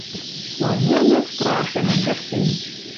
Но ӹнянӓш пырахен ӹнде шӱм.